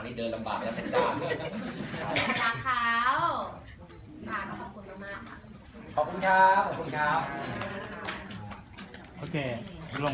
เรียนลูกเองอาจจะมีที่จะช่วยถึงคนหรือของ